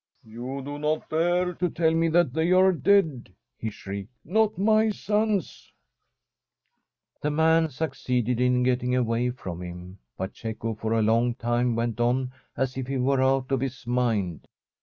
' You do not dare to tell me that they are dead !' he shrieked —* not my sons I ' The man succeeded in getting away from him, The Fisherman*! RING but Cecco for a long time went on as if he were out of his mind.